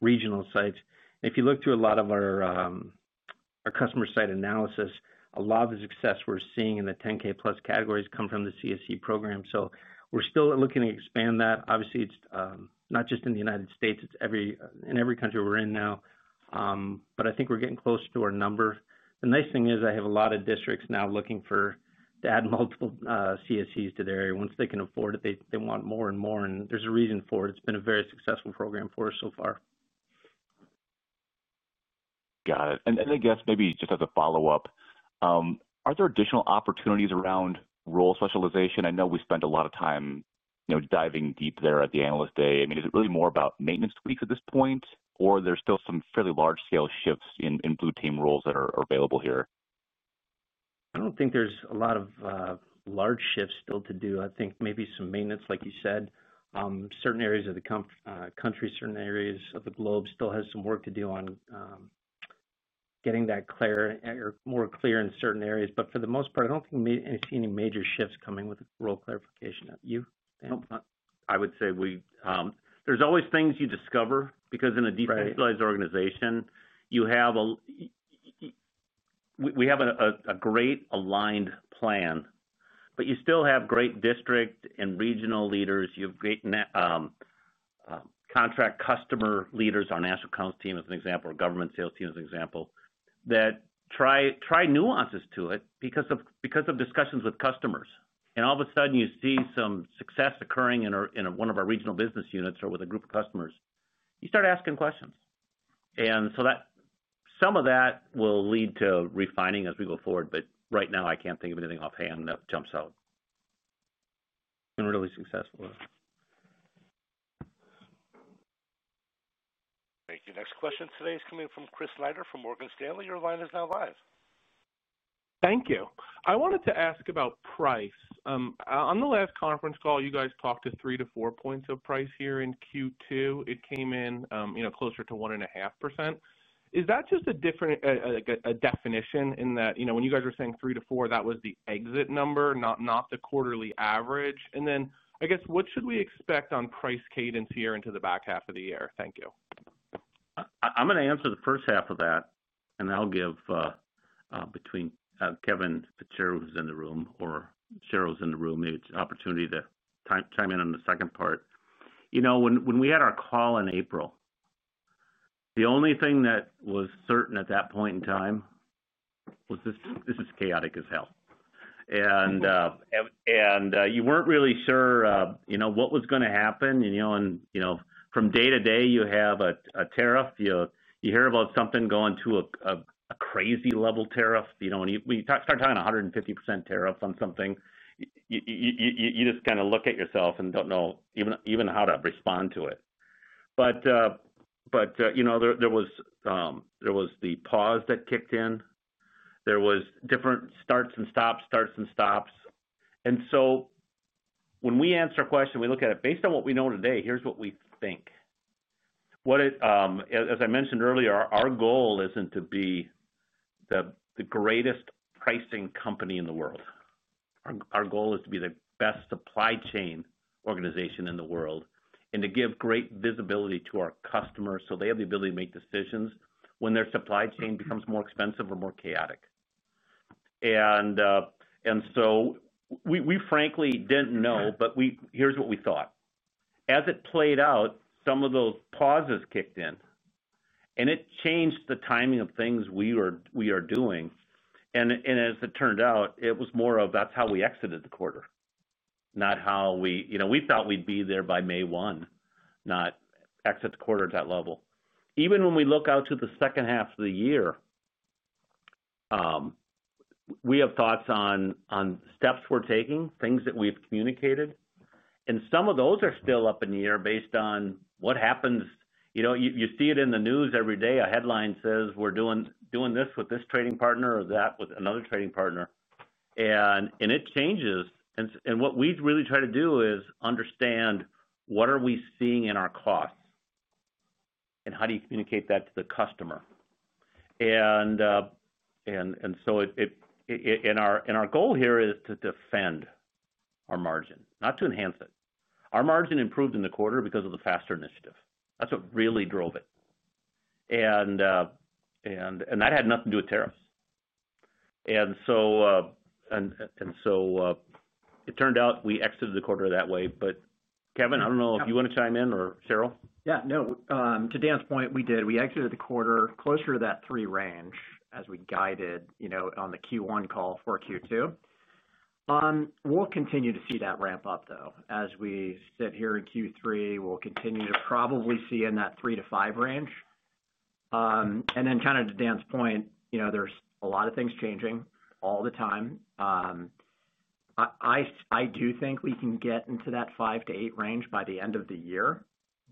regional sites. If you look through a lot of our customer site analysis, a lot of the success we're seeing in the 10K-plus categories comes from the CSC program. We're still looking to expand that. Obviously, it's not just in the United States. It's in every country we're in now. I think we're getting close to our number. The nice thing is I have a lot of districts now looking to add multiple CSCs to their area. Once they can afford it, they want more and more. There is a reason for it. It has been a very successful program for us so far. Got it. I guess maybe just as a follow-up. Are there additional opportunities around role specialization? I know we spent a lot of time diving deep there at the analyst day. I mean, is it really more about maintenance weeks at this point, or are there still some fairly large-scale shifts in blue team roles that are available here? I do not think there is a lot of large shifts still to do. I think maybe some maintenance, like you said, certain areas of the country, certain areas of the globe still have some work to do on. Getting that clear or more clear in certain areas. For the most part, I don't think I see any major shifts coming with role clarification. You? I would say there's always things you discover because in a deeply specialized organization, you have a great aligned plan. You still have great district and regional leaders. You have great contract customer leaders, our national accounts team as an example, our government sales team as an example, that try nuances to it because of discussions with customers. All of a sudden, you see some success occurring in one of our regional business units or with a group of customers. You start asking questions. Some of that will lead to refining as we go forward. Right now, I can't think of anything offhand that jumps out. Been really successful. Thank you. Next question today is coming from Chris Snyder from Morgan Stanley. Your line is now live. Thank you. I wanted to ask about price. On the last conference call, you guys talked to three to four points of price here in Q2. It came in closer to 1.5%. Is that just a definition in that when you guys were saying three to four, that was the exit number, not the quarterly average? And then I guess, what should we expect on price cadence here into the back half of the year? Thank you. I'm going to answer the first half of that, and I'll give, between Kevin Fitzgerald, who's in the room, or Sheryl was in the room, the opportunity to chime in on the second part. When we had our call in April, the only thing that was certain at that point in time. Was this as chaotic as hell. You were not really sure what was going to happen. From day to day, you have a tariff. You hear about something going to a crazy level tariff. When you start talking about a 150% tariff on something, you just kind of look at yourself and do not know even how to respond to it. There was the pause that kicked in. There were different starts and stops, starts and stops. When we answer a question, we look at it based on what we know today. Here is what we think. As I mentioned earlier, our goal is not to be the greatest pricing company in the world. Our goal is to be the best supply chain organization in the world and to give great visibility to our customers so they have the ability to make decisions when their supply chain becomes more expensive or more chaotic. We frankly did not know, but here is what we thought. As it played out, some of those pauses kicked in. It changed the timing of things we are doing. As it turned out, it was more of that is how we exited the quarter, not how we thought we would be there by May 1, not exit the quarter at that level. Even when we look out to the second half of the year, we have thoughts on steps we are taking, things that we have communicated. Some of those are still up in the air based on what happens. You see it in the news every day. A headline says, "We're doing this with this trading partner or that with another trading partner." It changes. What we really try to do is understand what are we seeing in our costs. How do you communicate that to the customer? Our goal here is to defend our margin, not to enhance it. Our margin improved in the quarter because of the FASTR initiative. That's what really drove it. That had nothing to do with tariffs. It turned out we exited the quarter that way. Kevin, I don't know if you want to chime in or Sheryl? Yeah. No. To Dan's point, we did. We exited the quarter closer to that three range as we guided on the Q1 call for Q2. We'll continue to see that ramp up, though. As we sit here in Q3, we'll continue to probably see in that 3-5 range. And then kind of to Dan's point. There's a lot of things changing all the time. I do think we can get into that 5-8 range by the end of the year.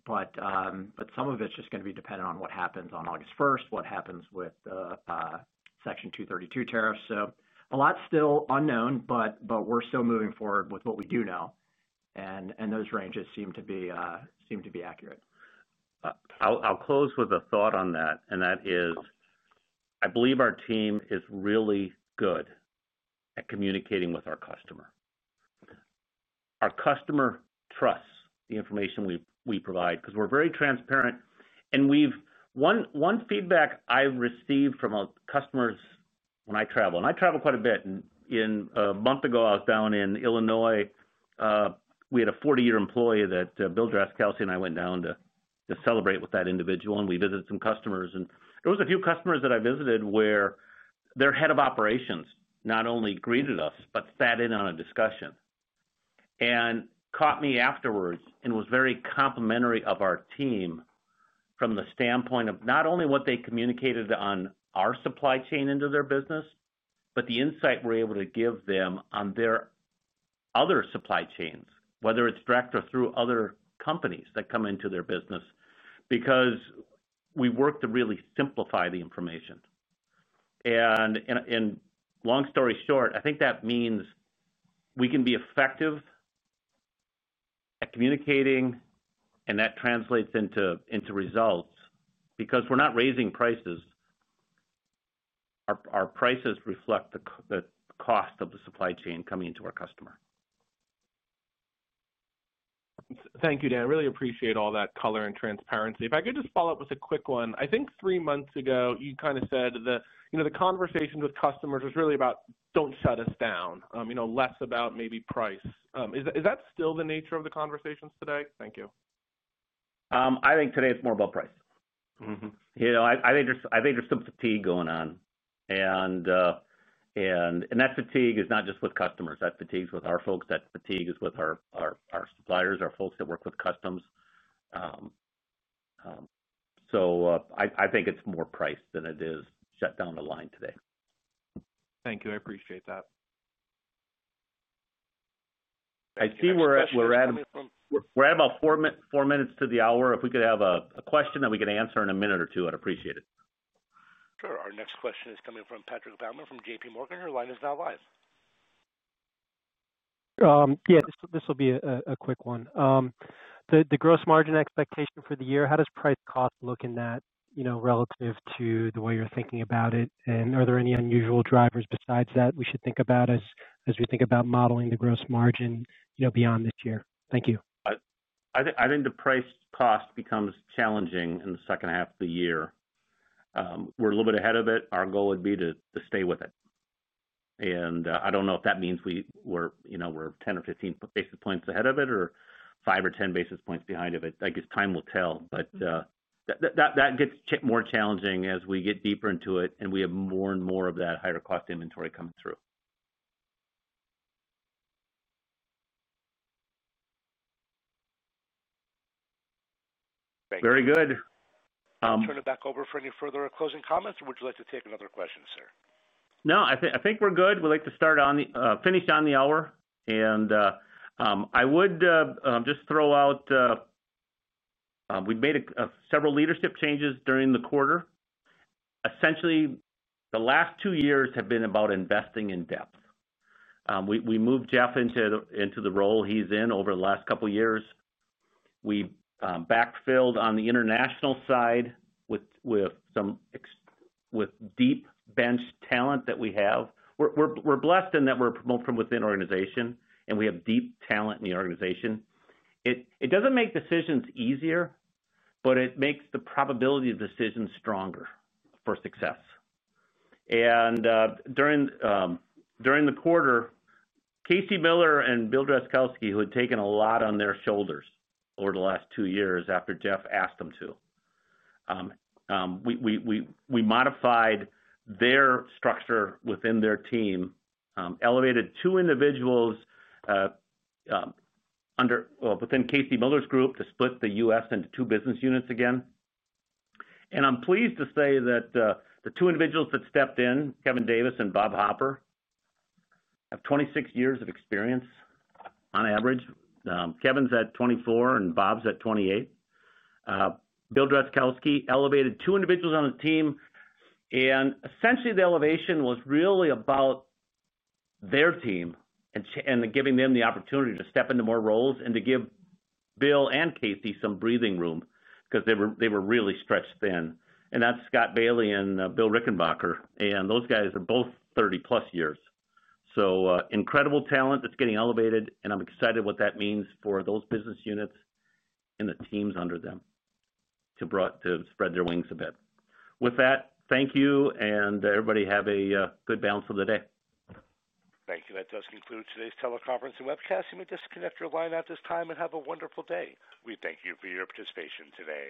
But some of it's just going to be dependent on what happens on August 1st, what happens with Section 232 tariffs. So a lot still unknown, but we're still moving forward with what we do know. And those ranges seem to be accurate. I'll close with a thought on that. And that is. I believe our team is really good at communicating with our customer. Our customer trusts the information we provide because we're very transparent. And one feedback I've received from customers when I travel and I travel quite a bit. A month ago, I was down in Illinois. We had a 40-year employee that Bill Drazkowski and I went down to celebrate with that individual. We visited some customers. There were a few customers that I visited where their head of operations not only greeted us but sat in on a discussion. He caught me afterwards and was very complimentary of our team from the standpoint of not only what they communicated on our supply chain into their business, but the insight we're able to give them on their other supply chains, whether it's direct or through other companies that come into their business, because we worked to really simplify the information. Long story short, I think that means we can be effective at communicating, and that translates into results because we're not raising prices. Our prices reflect the cost of the supply chain coming into our customer. Thank you, Dan. I really appreciate all that color and transparency. If I could just follow up with a quick one. I think three months ago, you kind of said the conversation with customers was really about, "Don't shut us down," less about maybe price. Is that still the nature of the conversations today? Thank you. I think today it's more about price. I think there's some fatigue going on. That fatigue is not just with customers. That fatigue's with our folks. That fatigue is with our suppliers, our folks that work with customs. I think it's more price than it is shut down the line today. Thank you. I appreciate that. I see we're at about four minutes to the hour. If we could have a question that we could answer in a minute or two, I'd appreciate it. Sure. Our next question is coming from Patrick Baumann from JP Morgan. Your line is now live. Yeah. This will be a quick one. The gross margin expectation for the year, how does price cost look in that relative to the way you're thinking about it? And are there any unusual drivers besides that we should think about as we think about modeling the gross margin beyond this year? Thank you. I think the price cost becomes challenging in the second half of the year. We're a little bit ahead of it. Our goal would be to stay with it. I don't know if that means we're 10 or 15 basis points ahead of it or 5 or 10 basis points behind of it. I guess time will tell. But. That gets more challenging as we get deeper into it and we have more and more of that higher cost inventory coming through. Very good. Turn it back over for any further closing comments, or would you like to take another question, sir? No. I think we're good. We'd like to finish on the hour. I would just throw out, we've made several leadership changes during the quarter. Essentially, the last two years have been about investing in depth. We moved Jeff into the role he's in over the last couple of years. We backfilled on the international side with some deep-bench talent that we have. We're blessed in that we're promoted from within the organization, and we have deep talent in the organization. It doesn't make decisions easier, but it makes the probability of decisions stronger for success. And during. The quarter, Casey Miller and Bill Drazkowski, who had taken a lot on their shoulders over the last two years after Jeff asked them to. We modified their structure within their team, elevated two individuals within Casey Miller's group to split the U.S. into two business units again. I am pleased to say that the two individuals that stepped in, Kevin Davis and Bob Hopper, have 26 years of experience on average. Kevin's at 24 and Bob's at 28. Bill Drazkowski elevated two individuals on the team, and essentially, the elevation was really about their team and giving them the opportunity to step into more roles and to give Bill and Casey some breathing room because they were really stretched thin. That is Scott Bailey and Bill Reichenbacher, and those guys are both 30-plus years. Incredible talent that is getting elevated. I'm excited what that means for those business units and the teams under them too. Spread their wings a bit. With that, thank you. Everybody have a good balance of the day. Thank you. That does conclude today's teleconference and webcast. You may disconnect your line at this time and have a wonderful day. We thank you for your participation today.